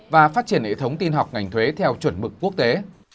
và phát triển hệ thống tin học ngành thuế theo chuẩn mực quốc tế